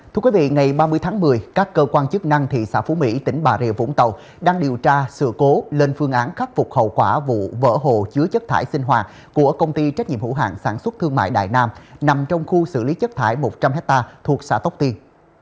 thưa quý vị ngày ba mươi tháng một mươi các cơ quan chức năng thị xã phú mỹ tỉnh bà rịa vũng tàu đang điều tra sự cố lên phương án khắc phục hậu quả vụ vỡ hồ chứa chất thải sinh hoạt của công ty trách nhiệm hữu hạng sản xuất thương mại đại nam nằm trong khu xử lý chất thải một trăm linh hectare thuộc xã tóc tiên